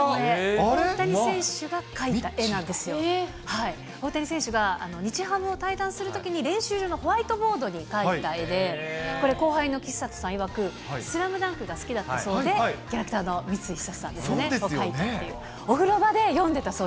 大谷選手が日ハムを退団するときに練習場のホワイトボードに描いた絵で、これ、後輩の岸里さんいわく、スラムダンクが好きだったそうで、キャラクターのみついひさしさん、描いたという。